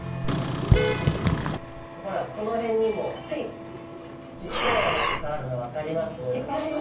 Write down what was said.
ほらこの辺にもちっちゃい穴とかあるの分かります？